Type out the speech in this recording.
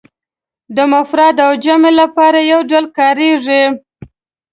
د مفرد او جمع لپاره یو ډول کاریږي.